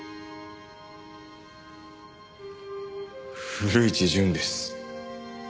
古市潤です。